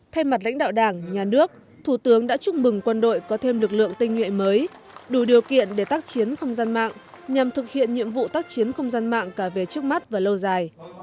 thay mặt lãnh đạo đảng nhà nước thủ tướng đã chúc mừng quân đội có thêm lực lượng tinh nhuệ mới đủ điều kiện để tác chiến không gian mạng nhằm thực hiện nhiệm vụ tác chiến không gian mạng cả về trước mắt và lâu dài